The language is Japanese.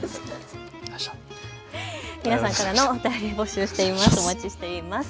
皆さんからのお便り、募集しています。